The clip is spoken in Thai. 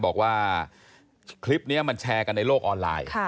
บอกว่าคลิปนี้มันแชร์กันในโลกออนไลน์